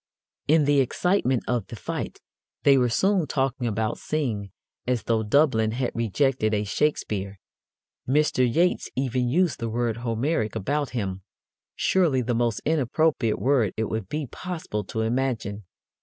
In the excitement of the fight they were soon talking about Synge as though Dublin had rejected a Shakespeare. Mr. Yeats even used the word "Homeric" about him surely the most inappropriate word it would be possible to imagine.